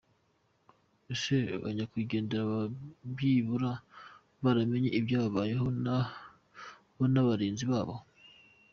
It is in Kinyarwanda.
Ese ba Nyakwigendera baba byibura baramenye ibyababayeho bo n’abarinzi babo?